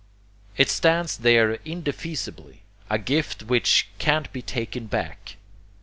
It stands there indefeasibly: a gift which can't be taken back.